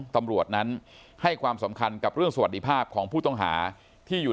ตำรวจนั้นให้ความสำคัญกับเรื่องสวัสดีภาพของผู้ต้องหาที่อยู่